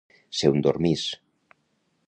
Ser un dormís.